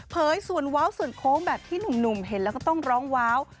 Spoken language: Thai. ส่วนเว้าส่วนโค้งแบบที่หนุ่มเห็นแล้วก็ต้องร้องว้าว